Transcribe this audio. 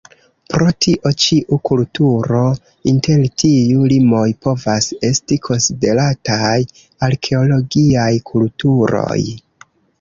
Pro tio ĉiu kulturo inter tiuj limoj povas esti konsiderataj Arkeologiaj kulturoj.